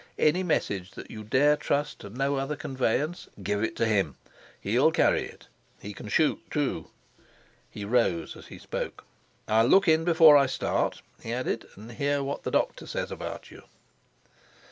Any message that you dare trust to no other conveyance, give to him; he'll carry it. He can shoot, too." He rose as he spoke. "I'll look in before I start," he added, "and hear what the doctor says about you."